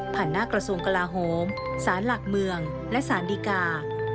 หน้ากระทรวงกลาโหมศาลหลักเมืองและสารดีกา